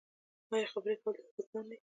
ایا خبرې کول درته ګران دي؟